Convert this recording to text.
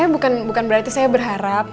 maksud saya bukan berarti saya berharap